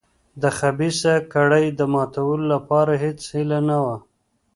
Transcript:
د خبیثه کړۍ د ماتولو لپاره هېڅ هیله نه وه.